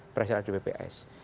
berasal dari bps